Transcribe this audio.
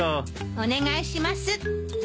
お願いします。